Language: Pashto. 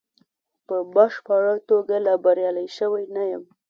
په بشپړه توګه لا بریالی شوی نه یم.